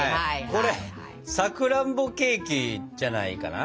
これ「さくらんぼケーキ」じゃないかな？